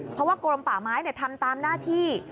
เพราะว่ากรมป่าไม้ทำตามหน้าที่